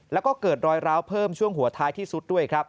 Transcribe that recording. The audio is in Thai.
แล้วก็เกิดรอยร้าวเพิ่มช่วงหัวท้ายที่สุดด้วยครับ